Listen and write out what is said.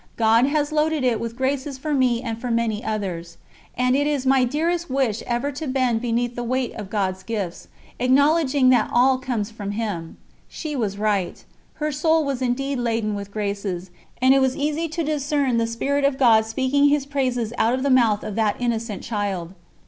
God has loaded it with graces for me and for many others. And it is my dearest wish ever to bend beneath the weight of God's gifts, acknowledging that all comes from Him." She was right. Her soul was indeed laden with graces, and it was easy to discern the Spirit of God speaking His praises out of the mouth of that innocent child.